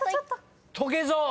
「トゲゾー」